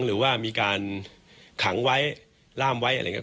หรือว่ามีการขังไว้ล่ามไว้อะไรอย่างนี้